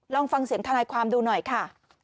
ลองฟังเสียงทนายความดูหน่อยค่ะ